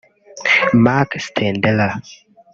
Marc Stendera